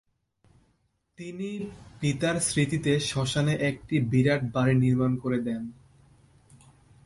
তিনি পিতার স্মৃতিতে শ্মশানে একটি বিরাট বাড়ি নির্মাণ করে দেন।